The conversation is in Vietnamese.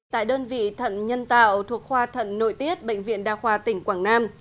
tại đơn vị thận nhân tạo thuộc khoa thận nội tiết bệnh viện đa khoa tỉnh quảng nam